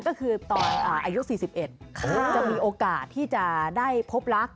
ก็คือตอนอายุ๔๑จะมีโอกาสที่จะได้พบรัก